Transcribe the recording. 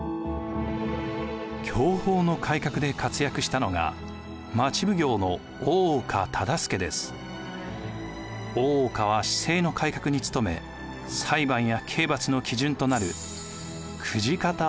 享保の改革で活躍したのが大岡は市政の改革に努め裁判や刑罰の基準となる公事方